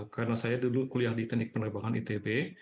karena saya dulu kuliah di teknik penerbangan itb